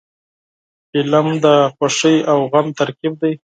فلم د خوښۍ او غم ترکیب دی